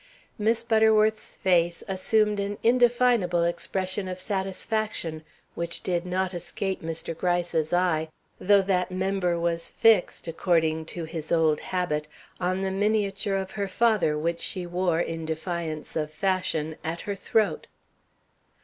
Miss Butterworth's face assumed an indefinable expression of satisfaction, which did not escape Mr. Gryce's eye, though that member was fixed, according to his old habit, on the miniature of her father which she wore, in defiance of fashion, at her throat.